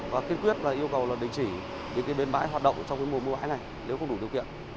và kiên quyết là yêu cầu là đình chỉ những bến bãi hoạt động trong mùa mưa này nếu không đủ điều kiện